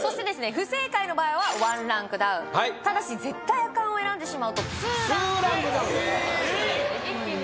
不正解の場合は１ランクダウンただし絶対アカンを選んでしまうと２ランクダウンとさせていただきます一気に？